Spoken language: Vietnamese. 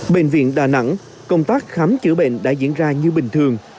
bệnh viện đà nẵng công tác khám chữa bệnh đã diễn ra như bình thường